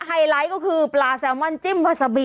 ไฮไลท์ก็คือปลาแซลมอนจิ้มผัสบี